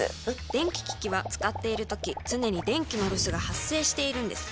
電気機器は使っているとき常に電気のロスが発生しているのです。